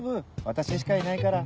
私しかいないから。